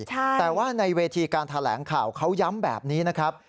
แต่ว่าในเวทีการแถลงข่าวเขาย้ำแบบนี้นะครับ